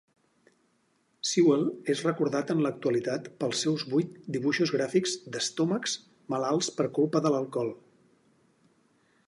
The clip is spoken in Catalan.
Sewell és recordat en l'actualitat pels seus vuit dibuixos gràfics d'estómacs malalts per culpa de l'alcohol.